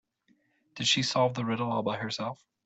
Did she solve the riddle all by herself?